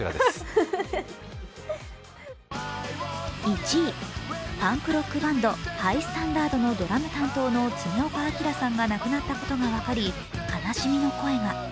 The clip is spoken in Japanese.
１位、パンクロックバンドＨｉ−ＳＴＡＮＤＡＲＤのドラム担当の恒岡章さんが亡くなったことが分かり、悲しみの声が。